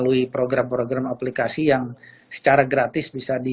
nah ini memang program program ini kita sedang membuatnya dengan cara yang sangat mudah dan sangat mudah